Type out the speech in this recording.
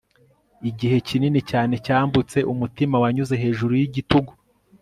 igihe kinini cyane cyambutse umutima wanyuze hejuru yigitugu